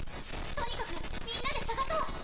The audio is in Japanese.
とにかくみんなでさがそう！